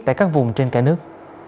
tại các vùng trên cả nước